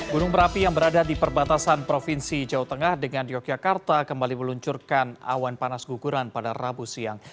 gunung merapi yang berada di perbatasan provinsi jawa tengah dengan yogyakarta kembali meluncurkan awan panas guguran pada rabu siang